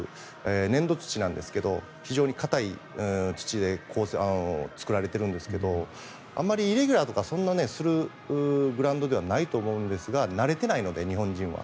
粘土土なんですけど非常に硬い土で作られているんですけどあまりイレギュラーとかするグラウンドではないと思うんですが慣れてないので、日本人は。